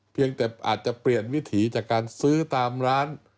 เพียงแต่อาจจะเปลี่ยนวิถีจากการซื้อตามร้าน